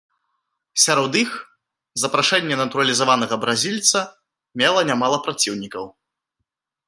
Сярод іх, запрашэнне натуралізаванага бразільца мела нямала праціўнікаў.